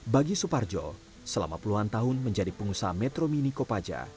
bagi suparjo selama puluhan tahun menjadi pengusaha metro mini kopaja